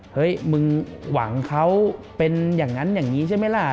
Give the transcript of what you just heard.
เฮ้ยมึงหวังเขาเป็นอย่างนั้นอย่างนี้ใช่ไหมล่ะ